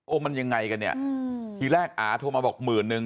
มันยังไงกันเนี่ยทีแรกอาโทรมาบอกหมื่นนึง